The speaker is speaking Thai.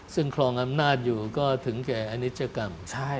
ซึ่งครองอำนาจอยู่ก็ถึงแก่อนิจกรรม